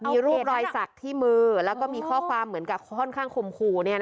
มีรูปรอยสักที่มือแล้วก็มีข้อความเหมือนกับค่อนข้างข่มขู่